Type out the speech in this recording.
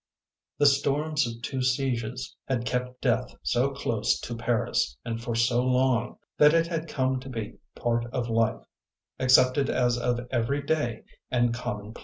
The storms of two sieges had kept Death so close to Paris and for so long, that it had come to be part of life, accepted as of every day and common plaoe.